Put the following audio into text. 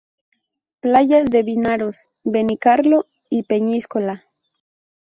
Playas de Vinaroz, Benicarló y Peñíscola.